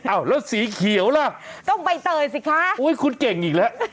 อ้าวแล้วสีเขียวล่ะต้องใบเตยสิคะโอ้ยคุณเก่งอีกแล้ว